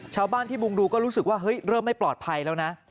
ชาวบ้านที่มุงดูก็รู้สึกว่าเฮ้ยเริ่มไม่ปลอดภัยแล้วนะ